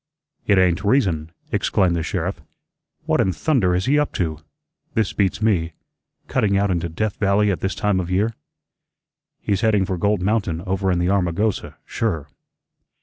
"It ain't reason," exclaimed the sheriff. "What in thunder is he up to? This beats me. Cutting out into Death Valley at this time of year." "He's heading for Gold Mountain over in the Armagosa, sure."